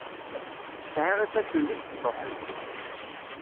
Sεiɣ ifassen d ibestuḥen.